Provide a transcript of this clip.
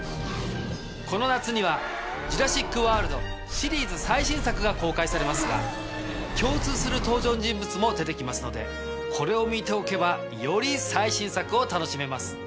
この夏には『ジュラシック・ワールド』シリーズ最新作が公開されますが共通する登場人物も出て来ますのでこれを見ておけばより最新作を楽しめます。